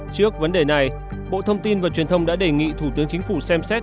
trước vấn đề này bộ thông tin và truyền thông đã đề nghị thủ tướng chính phủ xem xét